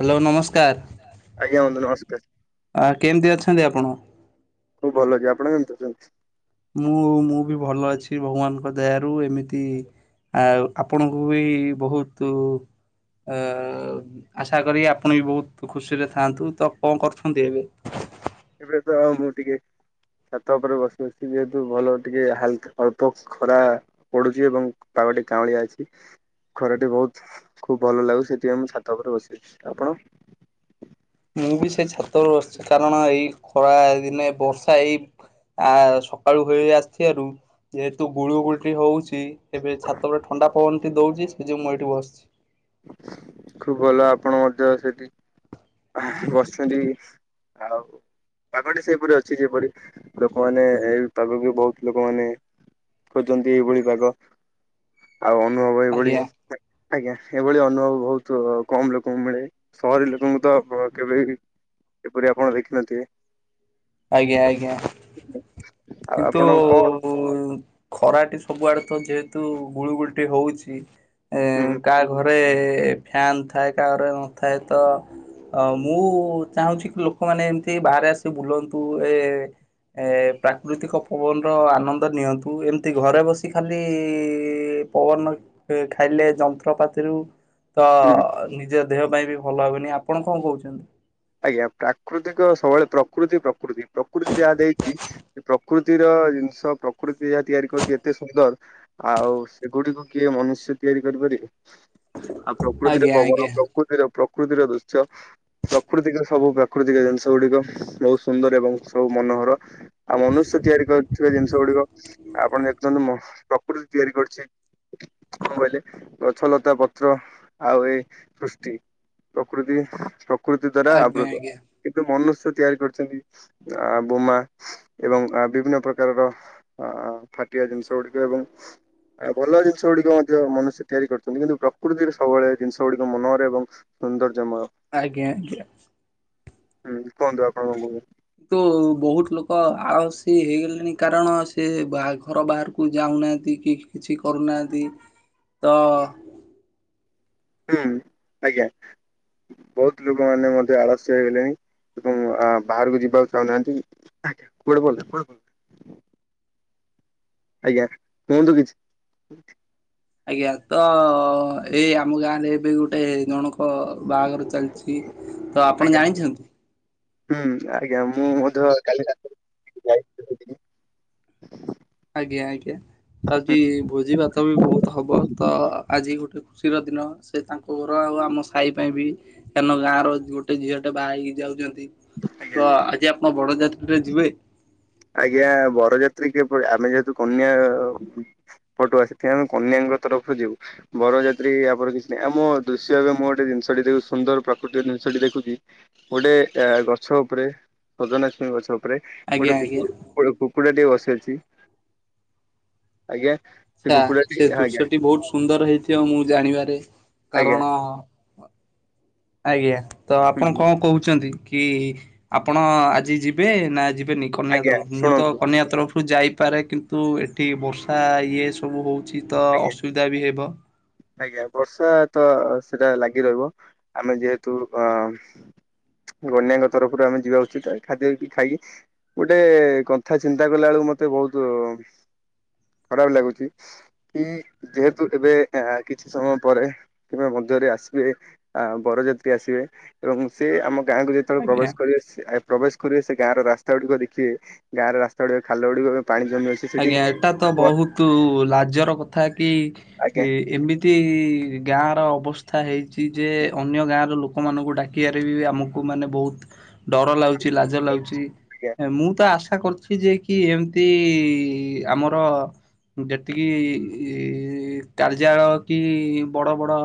Hello ନମସ୍କାର। ଆଜ୍ଞା ବନ୍ଧୁ ନମସ୍କାର ଆ କେମତି ଅଛନ୍ତି ଆପଣ? ହଉ ଭଲ ଅଛି। ଆପଣ କେମିତି ଅଛନ୍ତି? ମୁଁ ମୁଁ ବି ଭଲ ଅଛି ଭଗବାନଙ୍କ ଦୟାରୁ ଏମିତି ଆଉ ଆପଣଙ୍କୁ ବି ବହୁତୁ ଅ ଆଶା କରି ଆପଣ ବି ବହୁତ ଖୁସିରେ ଥାଆନ୍ତୁ ତ କଁ କରୁଛନ୍ତି ଏବେ? ଏବେ ତ ମୁଁ ଟିକେ ଛାତ ଓପରେ ବସି ବସି ଯେହେତୁ ଭଲ ଟିକେ ହାଲକା ଅଳ୍ପ ଖରା ପଡ଼ୁଚି ଏବଂ ପାଗଟି କାଉଁଳିଆ ଅଛି। ଖରଟେ ବହୁତ୍ ଖୁବ୍ ଭଲ ଲାଗୁ ସେଥିପାଇଁ ମୁଁ ଛାତ ଓପରେ ବସିଅଛି। ଆପଣ? ମୁଁ ବି ସେ ଛାତରୁ ଅଛି କାରଣ ଏଇ ଖରା ଦିନେ ବର୍ଷା ଏଇ ଆଉ ସକାଳୁ ହେ ଆସିଥିବାରୁ ଯେହେତୁ ଗୁଳୁ ଗୁଳଟି ହଉଛି ଏବେ ଛାତ ଉପରେ ଥଣ୍ଡା ପବନ ଦଉଛି ସେ ଯଉ ମୁଁ ଏଇଠି ବସିଛି ଖୁବ ଭଲ ଆପଣ ମଧ୍ୟ ସେଠି ବସୁଛନ୍ତି ଆଉ ପାାଗଟି ସେପରି ଅଛି ଯେପରି ଲୋକମାନେ ପାଗକୁ ବହୁତ ଲୋକମାନେ ଖୋଜନ୍ତି ଏଇଭଳି ପାଗ ଆଉ ଅନୁଭବ ଏଇଭଳି ଆଜ୍ଞା ଆଜ୍ଞା ଏଭଳି ଅନୁଭବ ବହୁତ କମ ଲୋକଙ୍କୁ ମିଳେ ସହରୀ ଲୋକଙ୍କୁ ତ କେବେ ବି ଏପରି ଆପଣ ଦେଖିନଥିବେ ଆଜ୍ଞା ଆଜ୍ଞା ଆଉ କିନ୍ତୁ ଆପଣ କଣ ଖରାଟି ସବୁଆଡେ ତ ଯେହେତୁ ଗୁଳୁଗୁଳଟି ହଉଛି ଏ ହୁଁ କା ଘରେ ଫ୍ୟାନ ଥାଏ କା ଘରେ ନଥାଏ ତ ଅ ମୁଁ ଚାହୁଁଛି କି ଲୋକମାନେ ଏମିତି ବାହାରେ ଆସିିକ ବୁଲନ୍ତୁ ଏ ଏ ପ୍ରାକୃତିକ ପବନର ଆନନ୍ଦ ନିଅନ୍ତୁ ଏମିତି ଘରେ ବସି ଖାଲି ପବନ ଖାଇଲେ ଯନ୍ତ୍ରପାତିରୁ ତ ହୁଁ ନିଜ ଦେହ ପାଇଁ ବି ଭଲ ହବନି ଆପଣ କଣ କହୁଛନ୍ତି ଆଜ୍ଞା ପ୍ରାକୃତିକ ସବୁବେଳେ ପ୍ରକୃତି ପ୍ରକୃତି ପ୍ରକୃତି ଯାହା ଦେଇଛି ପ୍ରକୃତିର ଜିନିଷ ପ୍ରକୃତି ଯାହା ତିଆରି କରୁଛି ଏତେ ସୁନ୍ଦର ଆଉ ସେଗୁଡିକୁ କିଏ ମନୁଷ୍ୟ ତିଆରି କରିପାରିବ ଆଉ ପ୍ରକୃତିର ଆଜ୍ଞା ଆଜ୍ଞା ପବନ ଆଜ୍ଞା ପ୍ରକୃତିର ପ୍ରକୃତିର ଦୃଶ୍ୟ ପ୍ରାକୃତିକ ସବୁ ପ୍ରାକୃତିକ ଜିନିଷ ଗୁଡିକ ବହୁତ ସୁନ୍ଦର ଏବଂ ସବୁ ମନୋହର ଆଉ ମନୁଷ୍ୟ ତିଆରି କରୁଥିବା ଜିନିଷ ଗୁଡିକ ଆପଣ ଦେଖୁନ୍ତୁ ପ୍ରକୃତି ତିଆରି କରୁଛି। କଣ କହିଲେ ଗଛ ଲତା ପତ୍ର ଆଉ ଏଇ ସୃଷ୍ଟି ପ୍ରକୃତି ପ୍ରକୃତି ଦ୍ଵାରା ଆଜ୍ଞା ଆବୃତ ଆଜ୍ଞା କିନ୍ତୁ ମନୁଷ୍ୟ ତିଆରି କରିଛନ୍ତି ଆ ବୋମା ଏବଂ ବିଭିନ୍ନ ପ୍ରକାରର ଫାଟିଆ ଜିନିଷ ଗୁଡିକ ଏବଂ ଭଲ ଜିନିଷ ଗୁଡିକ ମଧ୍ୟ ମନୁଷ୍ୟ ତିଆରି କରୁଛନ୍ତି କିନ୍ତୁ ପ୍ରକୃତିରେ ସବୁବେଳେ ଜିନିଷ ଗୁଡିକ ମନରେ ଏବଂ ସୁନ୍ଦର୍ଯ୍ୟ ମୟ ଆଜ୍ଞା ଆଗ୍ୟା। ହୁଁ କୁହନ୍ତୁ ଆପଣ କଁ କୋଉ ତୋ ବୋହୁତ ଲୋକ ଆଉ ସିଏ ହେଇଗଲେଣି କାରଣ ସେ ବା ଘର ବାଆରୁ କୁ ଯାଉନାହାଁନ୍ତି କି କିଛି କରୁନାହାନ୍ତି ତ-ଅ ହୁଁ ଆଜ୍ଞା ବୋହୁତ ଲୋକ ମାନେ ମଧ୍ୟ ଆଳସ୍ୟ ହେଇଗଲେଣି। ଆ ବାହାରକୁ ଯିବାକୁ ଚାହୁଁନାହାନ୍ତି ଆ୍ କୁଆଡେ ପଳ୍ଲେ, କୁଆଡେ ପ ଆଜ୍ଞା କୁହନ୍ତୁ କିଛି। ଆଜ୍ଞା ତ-ଅ ଏଇ ଆମ ଗାଁ ରେ ଏବେ ଗୋଟେ ଜଣକ-ଅ ବାଆଘର ଚାଲିଛି ତ ଆପଣ ଜାଣିଛନ୍ତି। ହୁଁ ଆଜ୍ଞା ମୁଁ ମଧ୍ୟ କାଲି ରା ଆଜ୍ଞା ଆଜ୍ଞା ଆଜି ଭୋଜି ଭାତ ବି ବୋହୁତ ହବ ତ-ଅ ଆଜି ଗୋଟେ ସିର ଦିନ ସେ ତାଙ୍କ ଘର ଆଉ ଆମ ସାଇ ପାଇଁ ବି କାର୍ନ ଗାଁର ଗୋଟେ ଝିଅଟେ ବାହା ହେଇକି ଯାଉଛନ୍ତି। ଆଜ୍ଞା ତ ଆଜି ଆପଣ ବଡ ଯାତ୍ରୀରେ ଯିବେ? ଆଜ୍ଞା ବରଯାତ୍ରୀ କେବେ ଆମେ ଯେହେତୁ କନ୍ୟା-ଆ ପଟୁ ଆଶୁ ଥିବା କନ୍ୟାଙ୍କ ତରଫରୁ ଯିବୁ। ବରଯାତ୍ରୀ ଆମର କିଛି ନାହିଁ ଆମୋ-ଓ ଦୃଶ୍ୟ ଏବେ ମୁଁ ଗୋଟେ ଜିନିଷଟି ଦେଖୁଚି ସୁନ୍ଦର ପ୍ରାକୃତିକ ଜିନିଷଟି ଦେଖୁଚି। ଗୋଟେ ଏ ଗଛ ଉପରେ, ସଜନାଛୁଇଁ ଗଛ ଉପରେ, ଆଜ୍ଞା ଗୋଟେ କୁ ଆଜ୍ଞା। ଗୋଟେ କୁକୁଡ଼ାଟିଏ ବସିଅଛି, ଆଜ୍ଞା। ସେ ଆଛା, କୁକୁଡ଼ାଟି ସେ ଆଜ୍ଞା ଦୃଶ୍ୟଟି ବୋହୁତ ସୁନ୍ଦର ହେଇଥିବ ମୁଁ ଜାଣିବାରେ, ଆଜ୍ଞା କାରଣ-ଅ ଆଜ୍ଞା, ତ ହୁଁ ଆପଣ କଁ କହୁଛନ୍ତି, କି ଆପଣ-ଅ ଆଜି ଯିବେ ନା ଯିବେନି? କନ୍ୟା ଆଜ୍ଞା ତରୁ, ମୁଁ ତ ଶୁଣନ୍ତୁ କନ୍ୟା ତରଫ ରୁ ଯାଇପାରେ, କିନ୍ତୁ-ଉ ଏଠି ବର୍ଷା ଇଏ ସବୁ ହୋଉଛି ତ ଆଜ୍ଞା ଅସୁବିଧା ବି ହେବ। ଆଜ୍ଞା, ବର୍ଷା ତ ଅ ସେଟା ଲାଗି ରହିବ, ଆମେ ଯେହେତୁ ଅ ଗନ୍ୟାଙ୍କ ତରଫରୁ ଆମେ ଯିବା ଉଚିତ ୱଖାଦ୍ୟ କି ଖାଇକି ଗୋଟେ-ଏ କଥା ଚିନ୍ତା କଲାଳକୁ ମତେ ବୋହୁତୁ-ଉ ଖରାପ ଲାଗୁଚି, କି-ଇ ଯେହେତୁ ଏବେ ଆ କିଛି ସମୟ ପରେ କିମ୍ବା ମଦ୍ୟରେ ଆସିବେ, ଆ ବରଯାତ୍ରୀ ଆସିବେ, ଏବଂ ସେ ଆମ ଗାଁକୁ ଯେ ଯେତେବେଳେ ଆଜ୍ଞା। ପ୍ରବେଶ କରିବେ, ସେ ଆ ପ୍ରବେଶ କରିବେ, ସେ ଗାଁର ରାସ୍ତା ଗୁଡିକ ଦେଖିବେ, ଗାଁର ରାସ୍ତା ଗୁଡିକ ଖାଲ ଗୁଡିକ ଏବେ ପାଣି ଜମି ଅଛ୍ ଆଜ୍ଞା, ଏଟାତ ବହୁତୁ-ଉ ଲାଜର କଥା କି ଆଜ୍ଞା ଇ-ଏମି ତି-ଇ ଗାଁର ଅବସ୍ଥା ହେଇଚି ଯେ, ଅନ୍ୟ ଗାଁର ଲୋକମାନଙ୍କୁ ଡାକ୍ କିିଆରେ ବି-ବି ଆମକୁ ମାନେ ବୋହୁତ ଡର ଲାଗୁଚି, ଲାଜ ଲାଗୁଚି, ଆଜ୍ଞା ମୁଁ ତ ଆଶା କରୁଚି, ଯେ କି ଏମିତି-ଇ କି ଆମର ଯେତିକି-ଇ ଇ-ଇ କାର୍ଯ୍ୟାଳୟ କି-ଇ ବଡ ବଡ଼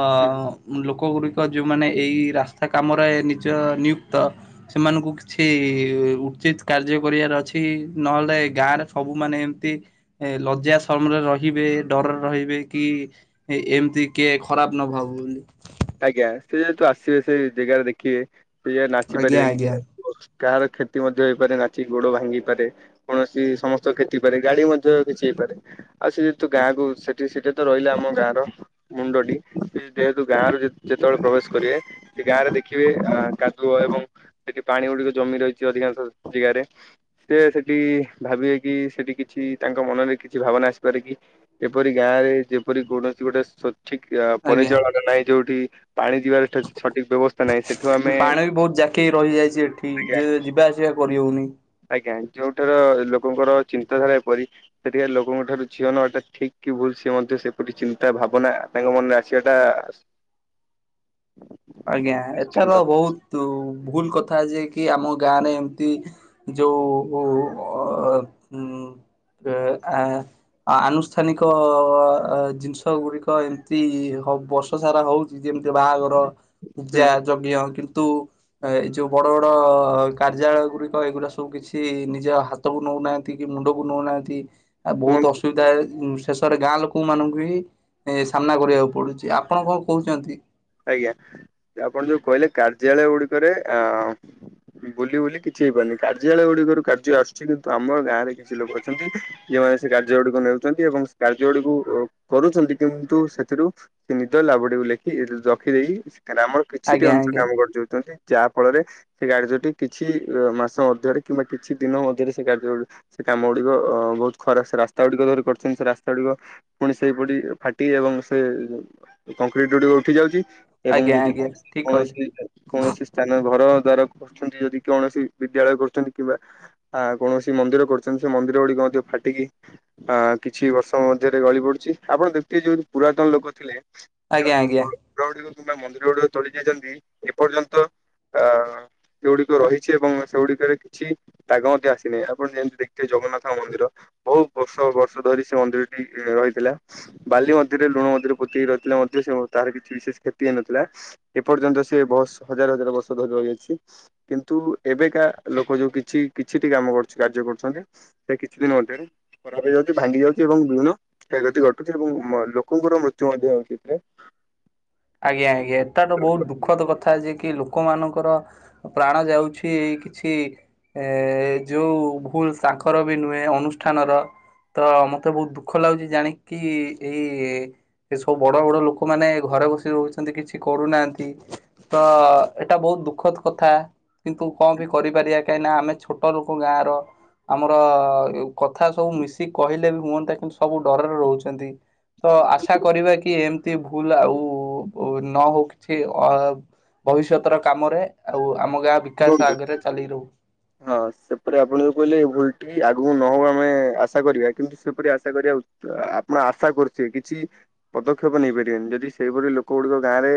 ଅ-ଅ ଲୋକଗୁଡିକ ଯୋଉମାନେ ଏଇ ରାସ୍ତା କାମରେ ନିଜ ନିୟୁକ୍ତ ସେମାନଙ୍କୁ କିଛି-ଇ ଉଚିତ କାର୍ଯ୍ୟ କରିଆର ଅଛି ନହେଲେ ଗାଁରେ ସବୁ ମାନେ ଏମତି, ଏ ଲଜ୍ୟା ଶରମରେ ରହିବେ, ଡରରେ ରହିବେ କି ଏ ଏମିତି କିଏ ଖରାପ ନ ଭାବୁ ବୋଲି। ଆଜ୍ଞା, ସେ ଯେହେତୁ ଆସିବେ, ସେଇ ଜେଗାରେ ଦେଖିବେ, ସେ ଯେ ଆଜ୍ଞା ନାଚିପାରିବେନି। ଆଜ୍ଞା। କାହାର କ୍ଷତି ମଧ୍ୟ ହେଇପାରେ, ନାଚିକି ଗୋଡ ଭାଙ୍ଗି ପାରେ। କୌଣସି ସମସ୍ତ କ୍ଷତିପାରେ, ଗାଳି ମଧ୍ୟ କିଛି ହେଇପାରେ? ଆଉ ସେ ଯେହେତୁ ଗାଁକୁ, ସେଠି ସେଠା ତ ରହିଲା ଆମ ଗାଁର ମୁଣ୍ଡଟି, ସେ ଯେହେତୁ ଗାଁରୁ ଯେ ଯେତଏଳେ ପ୍ରବେଶ କରିବେ, ସେ ଗାଁରେ ଦେଖିବେ କାଦୁଅ ଏବଂ ସେଠି ପାଣି ଗୁଡିକ ଜମି ରହିଚି, ଅଧିକାଂଶ ଜେଗାରେ। ସେ ସେଠି-ଇ ଭାବିବେ କି, ସେଠି କିଛି ତାଙ୍କ ମନରେ କିଛି ଭାବନା ଆସିପାରେ କି? ଏପରି ଗାଁରେ, ଯେପରି କୌଣସି ଗୋଟେ ସୋତ୍ ଠିକ୍ ଆ ଆଜ୍ଞା ପରିଚାଳନା ନାହିଁ ଯୋଉଠି, ପାଣି ଯିବାରେ ଠେ ସଠିକ ବ୍ୟବସ୍ଥା ନାହିଁ ସେଟ୍ ପାଣି ବି ବୋହୁତ ଜାକିହେଇ ରହିଯାଇଚି ଏଠି, ଯେ ଯିବା ଆସିବା କରିହୋଉନି। ଆଜ୍ଞା, ଯୋଉଠାର ଲୋକଙ୍କର ଚିନ୍ତାଧାରା ଏପରି ସେଠିକା ଲୋକଙ୍କ ଠାରୁ ଝିଅନବାଟା ଠିକ କି ଭୁଲ, ସେ ମଧ୍ୟ ସେପରି ଚିନ୍ତା ଭାବନା ତାଙ୍କ ମନରେ ଆସିବାଟା [inaudible] ଆଜ୍ଞା, ଏଥର ନିଶ୍ଚିନ୍ତ ବହୁତ ଭୁଲ କଥା ଯେଏ କି, ଆମ ଗାଁ ରେ ଏମତି ଯୋଉ ଉ ଅ ଆ ଆନୁଷ୍ଠାନିକ ଜିନିଷ ଗୁଡିକ ଏମତି ହ, ବର୍ଷ ସାରା ହଉ ଯେମିତି ବାହାଘର ହୁଁ ପୂଜା, ଯଜ୍ଞ, କିନ୍ତୁ ଏଇ ଯୋଉ ବଡ ବଡ କାର୍ଯ୍ୟାଳୟ ଗୁଡିକ, ଏଇଗୁଡା ସବୁ କିଛି ନିଜ ହାତ୍ ହାତକୁ ନଉନାହାନ୍ତି କି, ମୁଣ୍ଡକୁ ନଉନାହାନ୍ତି ଆଉ ଏବଂ ବହୁତ ଅସୁବିଧା, ଶେଷରେ ଗାଁ ଲୋକ ମାନଙ୍କୁ ବି ଏ ସାମ୍ନା କରିବାକୁ ପଡୁଚି, ଆପଣ କଣ କହୁଚନ୍ତି? ଆଜ୍ଞା ଆପଣ ଯୋଉ କହିଲେ କାର୍ଯ୍ୟାଳୟ ଗୁଡିକରେ ଅ ବୁଲି ବୁଲି କିଛି ହେଇପାରୁନି କାର୍ଯ୍ୟାଳୟ ଗୁଡିକରୁ କାର୍ଯ୍ୟ ଆସୁଛି କିନ୍ତୁ ଆମର ଗାଁରେ କିଛି ଲୋକ ଅଛନ୍ତି। ଯଉ ମାନେ ସେ କାର୍ଯ୍ୟ ଗୁଡିକ ନେଉଛନ୍ତି ଏବଂ ସେ କାର୍ଯ୍ୟ ଗୁଡିକୁ କରୁଛନ୍ତି କିନ୍ତୁ ସେଥିରୁ ସେ ନିଦ ଲାବଡିକୁ ଲେଖି ରଖିଦେଇକି ଗ୍ରାମର କିଛିଟି ଆଜ୍ଞା ଅଂଶ ଆଜ୍ଞା କାମ କରି ଯାଉଛନ୍ତି। ଯାହା ଫଳରେ ସେ କାର୍ଯ୍ୟଟି କିଛି ମାସ ମଧ୍ୟରେ କିମ୍ବା କିଛି ଦିନ ମଧ୍ୟରେ ସେ କାର୍ଯ୍ୟ ସେ କାମ ଗୁଡିକ ଅ ବହୁତ ଖରାପ ସେ ରାସ୍ତା ଗୁଡିକ ଧରି କରିଛନ୍ତି ସେ ରାସ୍ତା ଗୁଡିକ ପୁଣି ସେଇପରି ଫାଟି ଏବଂ ସେ କଂକ୍ରିଟ ଗୁଡିକ ଉଠି ଯାଉଛି। ଏବଂ ଆଜ୍ଞା ଯଦି ଆଜ୍ଞା ଠିକ କହିଲେ କୌଣସି କୌଣସି ସ୍ଥାନ ଘର ଦ୍ଵାରା କରୁଛନ୍ତି ଯଦି କୌଣସି ବିଦ୍ୟାଳୟ କରୁଛନ୍ତି କିମ୍ବା ଆ କୌଣସି ମନ୍ଦିର କରୁଛନ୍ତି ସେ ମନ୍ଦିର ଗୁଡିକ ମଧ୍ୟ ଫାଟିକି ଅ କିଛି ବର୍ଷ ମଧ୍ୟରେ ଗଳି ପଡୁଛି ଆପଣ ଦେଖୁଥିବେ ଯୋଉ ପୁରାତନ ଲୋକ ଥିଲେ ଆଜ୍ଞା ଆଜ୍ଞା। ର ଗୁଡିକ କିମ୍ବା ମନ୍ଦିର ଗୁଡିକ ତୋଳି ଯାଇଛନ୍ତି ଏପର୍ଯ୍ୟନ୍ତ ଅ ସେଗୁଡିକ ରହିଛି ଏବଂ ସେଗୁଡ଼ିକରେ କିଛି ଦାଗ ମଧ୍ୟ ଆସିନି ଆପଣ ଯେମିତି ଦେଖଥିବେ ଜଗନ୍ନାଥଙ୍କ ମନ୍ଦିର ବହୁତ ବର୍ଷ ବର୍ଷ ଧରି ସେ ମନ୍ଦିରଟି ରହିଥିଲା। ବାଲି ମଧ୍ୟରେ ଲୁଣ ମଧ୍ୟରେ ପୋତିକି ରହିଥିଲେ ମଧ୍ୟ ସେ ତାର କିଛି ବିଶେଷ କ୍ଷତି ହେଇନଥିଲା ଏପର୍ଯ୍ୟନ୍ତ ସେ ବସ୍ ହଜାର ହଜାର ବର୍ଷ ଧରିି ରହି ଆସିଛି। କିନ୍ତୁ ଏବେକା ଲୋକ ଯୋଉ କିଛି କିଛିଟି କାମ କରୁଛି କାର୍ଯ୍ୟ କରୁଛନ୍ତି ସେ କିଛି ଦିନ ମଧ୍ୟରେ ଖରାପ ହେଇଯାଉଛି ଭାଙ୍ଗି ଯାଉଛି ଏବଂ ବିଭିନ୍ନ କ୍ଷୟକ୍ଷତି ଘଟୁଛି ଏବଂ ଲୋକଙ୍କର ମୃତ୍ୟୁ ମଧ୍ୟ ହଉଛି ଏଥିରେ। ଆଜ୍ଞା ଆଜ୍ଞା ଏତାଟ ବହୁତ ଦୁଃଖଦ କଥା ଯିଏ କି ଲୋକ ମାନଙ୍କର ପ୍ରାଣ ଯାଉଛି କିଛି ଏ ଯୋଉ ଭୁଲ ତାଙ୍କର ବି ନୁହେଁ ଅନୁଷ୍ଠାନର। ତ ମତେ ବହୁତ ଦୁଃଖ ଲାଗୁଛି ଜାଣିକି ଏଇ ଏ ସବୁ ବଡ ବଡ ଲୋକମାନେ ଘରେ ବସି ରହୁଛନ୍ତି କିଛି କରୁନାହାନ୍ତି ତ ଟା ବହୁତ ଦୁଃଖଦ କଥା କିନ୍ତୁ କଣ ବି କରିପାରିବା କାହିଁକି ନା ଆମେ ଛୋଟ ଲୋକ ଗାଁ ର। ଆମର କଥା ସବୁ ମିଶିକି କହିଲେ ବି ହୁଅନ୍ତା କିନ୍ତୁ ସବୁ ଡରରେ ରହୁଛନ୍ତି। ତ କିନ୍ତୁ ଆଶା କରିବା କି ଏମତି ଭୁଲ ଆଉ ନ ହଉ କିଛି ଅ ଭବିଷ୍ୟତ ର କାମରେ ଆଉ ଆମ ଗାଁ ଭି [unintelligible] ହଁ ସେପରି ଆପଣ ଯୋଉ କହିଲେ ଏ ଭୁଲଟି ଆଗକୁ ନହବ ଆମେ ଆଶା କରିବା କିନ୍ତୁ ସେପରି ଆଶା କରିବା ତ ଆପଣ ଆଶା କରୁଛେ କିଛି ପଦକ୍ଷେପ ନେଇପାରିବେନି ଯଦି ସେହିପରି ଲୋକ ଗୁଡିକ ଗାଁ ରେ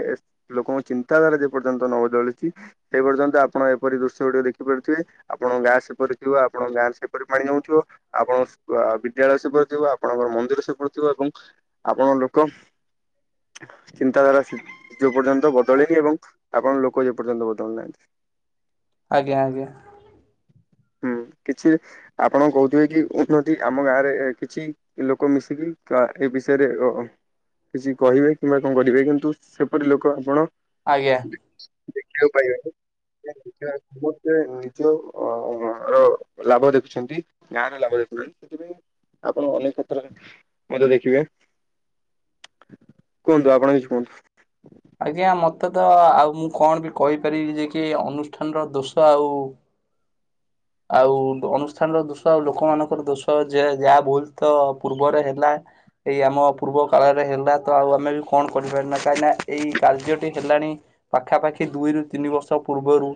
ଲୋକଙ୍କ ଚିନ୍ତାଧାରା ଯେ ପର୍ଯ୍ୟନ୍ତ ନ ବଦଳିଛି ସେ ପର୍ଯ୍ୟନ୍ତ ଆପ୍ ଆପଣ ଏପରି ଦୃଶ୍ୟ ଗୁଡିକ ଦେଖିପାରୁଥିବେ, ଆପଣ ଗାଁ ସେପରି ଥିବ ଆପଣ ଗାଁ ସେପରି ପାଣି ଆଉଥିବ। ଆପଣଙ୍କ ଆ ବିଦ୍ୟାଳୟ ସେପରି ଥିବ ଆପଣଙ୍କର ମନ୍ଦିର ସେପରି ଥିବ ଏବଂ ଆପଣ ଲୋକ ଚିନ୍ତାଧାରା ଯଉ ପର୍ଯ୍ୟନ୍ତ ବଦଳିନି ଏବଂ ଆପଣ ଲୋକ ଯେ ପର୍ଯ୍ୟନ୍ତ ବଦଳି ନାହାନ୍ତି। ଆଜ୍ଞା ଆଜ୍ଞା। ହୁଁ କିଛି ଆପଣ କହୁଥିବେ କି ଉନ୍ନତି ଆମ ଗାଁରେ ଏ କିଛି ଲୋକ ମିଶିକି-କା ଏ ବିଷୟରେ ଅ କିଛି କହିବେ କିମ୍ବା କଣ କରିବେ କିନ୍ତୁ ସେପରି ଲୋକ ଆପଣ ଆଜ୍ଞା। ଦେଖିବାକୁ ପାଇବାନି। ନିଜ ସମସ୍ତେ ନିଜ ଅ ର ଲାଭ ଦେଖୁଛନ୍ତି। ଗାଁରେ ଲାଭ [unintelligible] ସେଥିପାଇଁ ଆପଣ ଅନେକ କ୍ଷେତ୍ରରେ ମଧ୍ୟ ଦେଖିବେ କୁହନ୍ତୁ ଆପଣ କିଛି କୁହନ୍ତୁ। ଆଜ୍ଞା ମତେ ତ ଆଉ ମୁଁ କଣ ବି କହିପାରିବି ଯେ କି ଅନୁଷ୍ଠାନର ଦୋଷ ଆଉ। ଆଉ ଅନୁଷ୍ଠାନର ଦୋଷ ଆଉ ଲୋକମାନାନଙ୍କର ଦୋଷ ଯ ଯାହା ଭୁଲ ତ ପୂର୍ବରେ ହେଲା ଏଇ ଆମ ପୂର୍ବ କାଳରେ ହେଲା ତ ଆଉ ଆମେ ବି କଣ କରିପାରନା କାହିଁକିନା ଏଇ କାର୍ଯ୍ୟଟି ହେଲାଣି ପାଖାପାଖି ଦୁଇରୁ ତିନି ବର୍ଷ ପୂର୍ବରୁ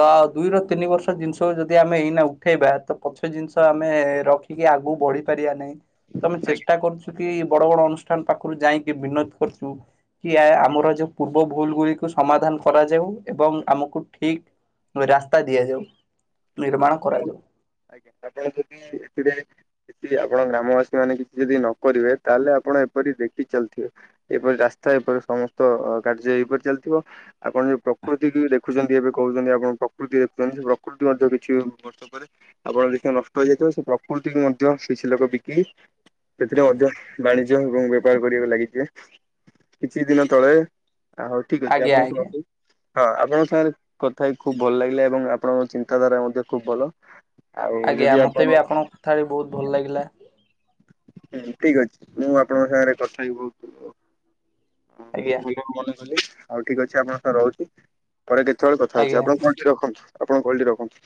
ତ ଦୁଇରୁ ତିନି ବର୍ଷ ଜିନିଷ ଯଦି ଯଦି ଆମେ ଏଇନା ଉଠେଇବା ତ ପଛ ଜିନିଷ ଆମେ ରଖିକି ଆଗକୁ ବଢି ପାରିବା ନାହିଁ ତମେ ଚେଷ୍ଟା କରୁଛୁ କି ବଡ ବଡ ଅନୁଷ୍ଠାନ ପାଖରୁ ଯାଇକି ବିନୋ କରୁଛୁ। କି ଆମର ଯୋଉ ପୂର୍ବ ଭୁଲ ଗୁଡିକୁ ସମାଧାନ କରାଯାଉ ଏବଂ ଆମକୁ ଠିକ ରାସ୍ତା ଦିଆଯାଉ। ନିର୍ମାଣ କରାଯାଉ। [unintelligible] ଆପଣ ଗ୍ରାମବାସୀ ମାନେ କିଛି ଯଦି ନ କରିବେ ତାହେଲେ ଆପଣ ଏପରି ଦେଖି ଚାଲିଥିବେ ଏପରି ରାସ୍ତା ଏପରି ସମସ୍ତ କାର୍ଯ୍ୟ ଏପରି ଚାଲିଥିବ ଆପଣ ଯୋଉ ପ୍ରକୃତି କି ଦେଖୁଛନ୍ତି ଏବେ କହୁଛନ୍ତି ଆପଣ ପ୍ରକୃତି ଦେଖୁଛନ୍ତି ସେ ପ୍ରକୃତି ମଧ୍ୟ କି କିଛି ବର୍ଷ ପରେ ଆପଣ ଦେଖିବା ନଷ୍ଟ ହେଇଯାଇଥିବ ସେ ପ୍ରକୃତିକୁ ମଧ୍ୟ ସେ ଶ ଲୋକ ବିକି ସେଥିରେ ମଧ୍ୟ ବାଣିଜ୍ୟ ଏବଂ [unintelligible] କରିବାକୁ ଲାଗିଛି କିଛି ଦିନ ତଳେ ହଉ ଠିକ ଅଛି ଆଜ୍ଞା ଆପଣ ଆଜ୍ଞା ଶୁଣନ୍ତୁ ହଁ ଆପଣଙ୍କ ସାଙ୍ଗରେ କଥା ହେଇ ଖୁବ ଭଲ ଲାଗିଲା ଏବଂ ଆପଣଙ୍କ ଚିନ୍ତାଧାରା ମଧ୍ୟ ଖୁବ ଭଲ। ଆଉ ଆଜ୍ଞା ଯଦି ମତେ ବି ଆପଣ ଆପଣଙ୍କ କଥାଟି ବହୁତ ଭଲ ଲାଗିଲା ହୁଁ ଠିକ ଅଛି ମୁଁ ଆପଣଙ୍କ ସାଙ୍ଗରେ କଥା ହି ବହୁତ ଆଜ୍ଞା ହୁ ଭ ମନେ କଲି ଆଉ ଠିକ ଅଛି ଆପଣଙ୍କ ସ ରହୁଛି ପରେ କେତେବେଳେ କଥା ହଉଛି ଆଜ୍ଞା। ଆପଣ କଣ ରଖନ୍ତୁ ଆପଣଙ୍କ କଲ୍‌ଟି ରଖନ୍ତୁ।